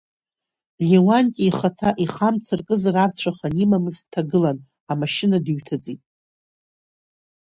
Леуанти ихаҭа ихы амца аркызар арцәаха анимамыз дҭагылан, амашьына дыҩҭыҵит.